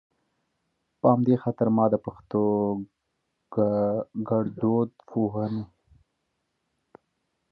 په همدا خاطر ما د پښتو ګړدود پوهنې